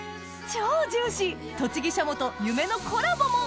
超ジューシー栃木しゃもと夢のコラボも！